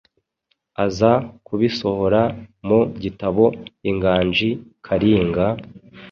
aza kubisohora mu gitabo Inganji Kalinga,